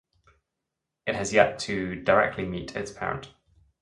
It has yet to directly meet its parent.